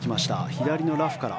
左のラフから。